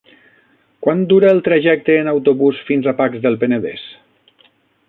Quant dura el trajecte en autobús fins a Pacs del Penedès?